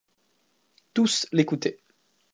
Tous l'écoutaient.